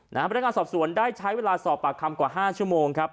พนักงานสอบสวนได้ใช้เวลาสอบปากคำกว่า๕ชั่วโมงครับ